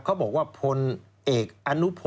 เขาบอกว่าพลเอกอนุพงศ์